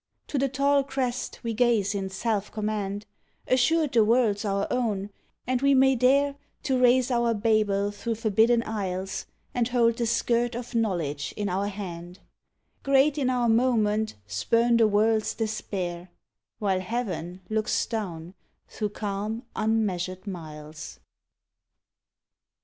To the tall crest we gaze in self command, Assured the world's our own and we may dare To raise our Babel thro' forbidden aisles And hold the skirt of knowledge in our hand, Great in our moment, spurn the world's despair; While Heaven looks down through calm unmeasured miles.